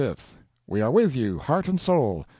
We are with you, heart and soul!